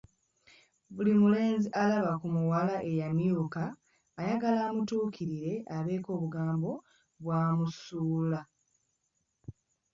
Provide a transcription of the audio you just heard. Buli mulenzi alaba ku muwala eyamyuka ayagala amutuukirire abeeko obugambo bwamusuula.